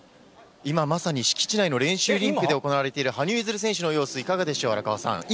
今まさに、敷地内の練習リンクで行われている羽生結弦選手の様子、いかがでしょう、荒川さん。